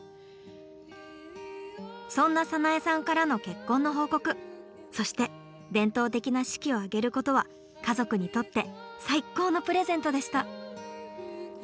そんな早苗さんからの結婚の報告そして伝統的な式を挙げることは家族にとって最高のプレゼントでした。